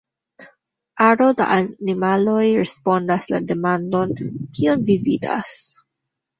Aro da animaloj respondas la demandon "kion vi vidas?